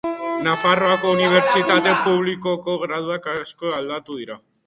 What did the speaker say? Nafarroako Unibertsitate Publikoko graduak asko aldatu dira.